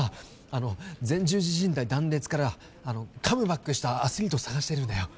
あの前十字靭帯断裂からカムバックしたアスリートを探してるんだよ